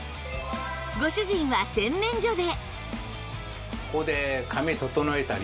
ご主人は洗面所で